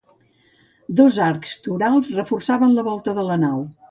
Dos arcs torals reforçaven la volta de la nau.